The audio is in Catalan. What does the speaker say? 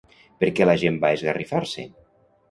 Per què la gent va esgarrifar-se?